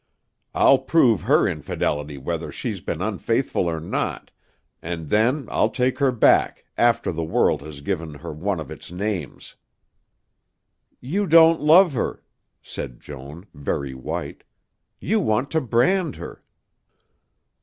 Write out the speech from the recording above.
"I'll prove her infidelity whether she's been unfaithful or not, and then I'll take her back, after the world has given her one of its names " "You don't love her," said Joan, very white. "You want to brand her."